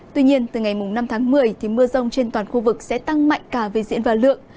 tuy nhiên từ ngày năm tháng một mươi mưa rông trên toàn khu vực sẽ tăng mạnh cả về diện và lượng